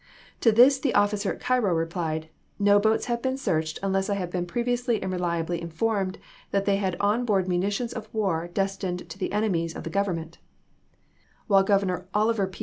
To this the officer at Cairo replied, "No boats have been searched unless I had been previously and reliably informed that they had on board munitions of war destined to the enemies of the Government" ; while Governor Oliver P.